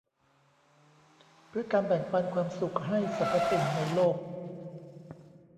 เพื่อการแบ่งปันความสุขให้สรรพสิ่งในโลก